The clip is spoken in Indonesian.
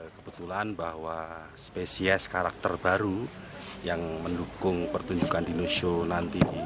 kebetulan bahwa spesies karakter baru yang mendukung pertunjukan dinosaurus nanti di